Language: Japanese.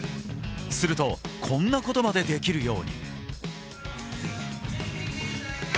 するとこんなことまでできるように。